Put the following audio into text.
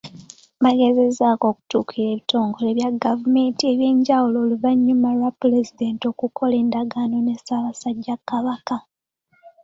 Bagezezzaako okutuukirira ebitongole bya gavumenti ebyenjawulo oluvannyuma lwa Pulezidenti okukola endagaano ne Ssaabasajja Kabaka.